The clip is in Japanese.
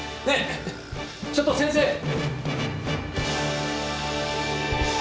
ねえちょっと先生！